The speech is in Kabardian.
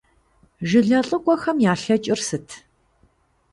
Жылэ лӀыкӀуэхэм ялъэкӀыр сыт?